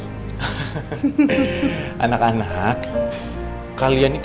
anak anak kalian itu gagah cantik cantik kalau pakai baju itu